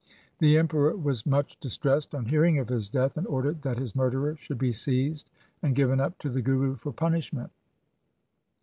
The Emperor was much distressed on hearing of his death, and ordered that his murderer should be seized and given up to the Guru for punishment.